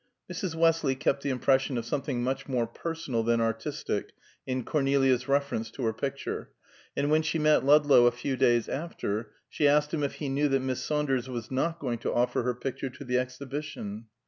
Mrs. Westley kept the impression of something much more personal than artistic in Cornelia's reference to her picture, and when she met Ludlow a few days after, she asked him if he knew that Miss Saunders was not going to offer her picture to the Exhibition.